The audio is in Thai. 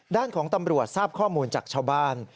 ด้านของตำรวจทราบข้อมูลจากชาวบ้าน